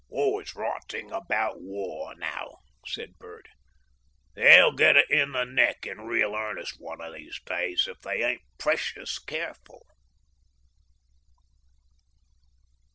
"Always rottin' about war now," said Bert. "They'll get it in the neck in real earnest one of these days, if they ain't precious careful."